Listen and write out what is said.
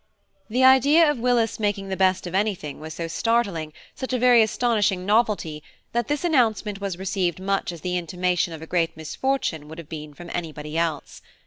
The idea of Willis making the best of anything was so startling, such a very astonishing novelty, that this announcement was received much as the intimation of a great misfortune would have been from anybody else.